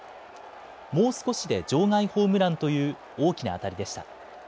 もう少しで場外ホームランという大きな当たりでした。